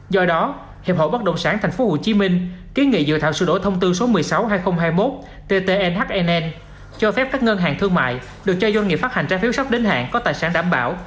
do đó hiệp hội bất động sản tp hcm kiến nghị dự thảo sửa đổi thông tư số một mươi sáu hai nghìn hai mươi một ttnhn cho phép các ngân hàng thương mại được cho doanh nghiệp phát hành trái phiếu sắp đến hạn có tài sản đảm bảo